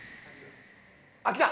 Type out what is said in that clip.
あっ来た！